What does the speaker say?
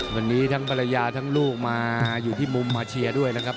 วันนี้ทั้งภรรยาทั้งลูกมาอยู่ที่มุมมาเชียร์ด้วยนะครับ